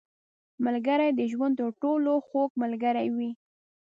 • ملګری د ژوند تر ټولو خوږ ملګری وي.